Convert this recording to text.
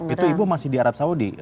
itu ibu masih di arab saudi